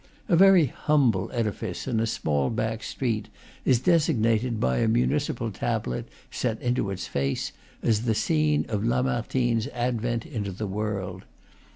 A very humble edifice, in a small back street, is designated by a municipal tablet, set into its face, as the scene of Lamartine's advent into the world.